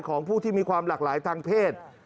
ของผู้ที่มีความหลากหลายทางเพศ